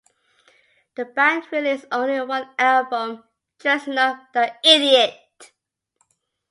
The band released only one album, "Dressing Up the Idiot".